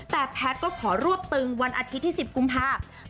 แต่แพทย์ก็ขอรวบตึงวันอาทิตย์ที่๑๐กุมภาพ